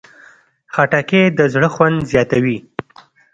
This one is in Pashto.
خټکی د زړه خوند زیاتوي.